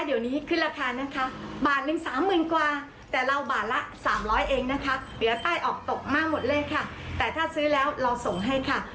เดี๋ยวใต้ออกตกมากหมดเลยค่ะแต่ถ้าซื้อแล้วเราส่งให้ค่ะ